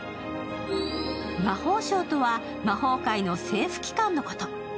魔法省とは魔法界の政府機関のこと。